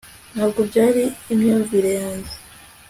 ntabwo byari imyumvire yanjye